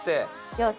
よし。